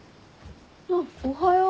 あっおはよう。